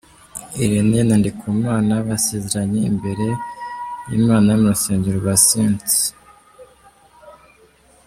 Irene na Ndikumana basezeranye imbere y’Imana mu rusengero rwa St.